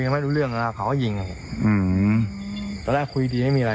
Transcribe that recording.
มาวนทำไมอะไรอย่างนี้ใช่ไหมใช่